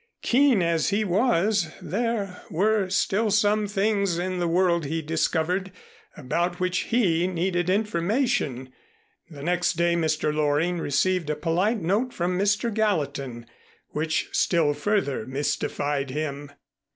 Keen as he was, there were still some things in the world, he discovered, about which he needed information. The next day Mr. Loring received a polite note from Mr. Gallatin which still further mystified him.